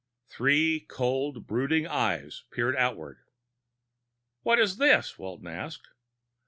Three cold, brooding eyes peered outward. "What's this?" Walton asked.